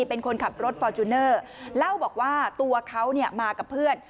เป็นคนขับรถฟอร์จูเนอร์เล่าบอกว่าตัวเขาเนี่ยมากับเพื่อน